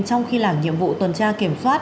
trong khi làm nhiệm vụ tuần tra kiểm soát